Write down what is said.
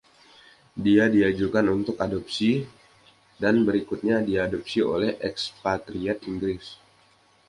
Dia diajukan untuk adopsi dan berikutnya diadopsi oleh ekspatriat Inggris.